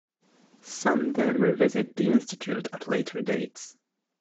Some then revisit the Institute at later dates.